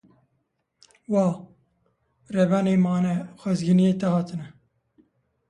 Wa, rebenê mane xwezgînîyê te hatine